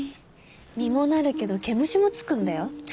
実もなるけど毛虫もつくんだよ。